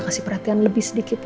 kasih perhatian lebih sedikitnya